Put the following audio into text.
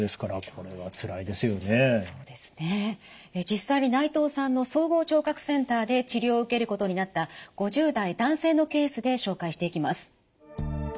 実際に内藤さんの総合聴覚センターで治療を受けることになった５０代男性のケースで紹介していきます。